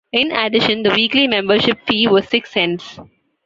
In addition, the weekly membership fee was six cents.